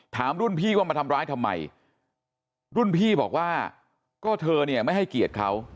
ถามรุ่นพี่ว่ามาทำร้ายทำไมรุ่นพี่บอกว่าก็เธอเนี่ยไม่ให้เกียรติเขา